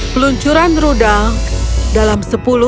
peluncuran rudal dalam sepuluh